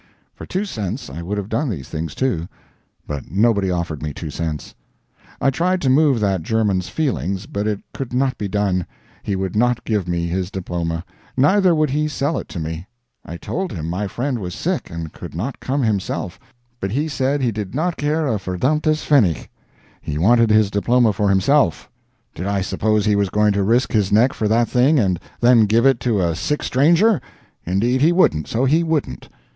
For two cents I would have done these things, too; but nobody offered me two cents. I tried to move that German's feelings, but it could not be done; he would not give me his diploma, neither would he sell it to me. I TOLD him my friend was sick and could not come himself, but he said he did not care a VERDAMMTES PFENNIG, he wanted his diploma for himself did I suppose he was going to risk his neck for that thing and then give it to a sick stranger? Indeed he wouldn't, so he wouldn't.